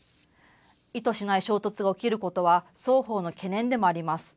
意図しない衝突が起きることは、双方の懸念でもあります。